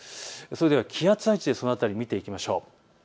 それでは気圧配置、その辺りを見ていきましょう。